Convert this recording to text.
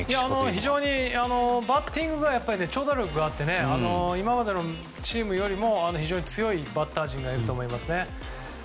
非常にバッティングが長打力があって今までのチームよりも非常に強いバッター陣がいると思いますね。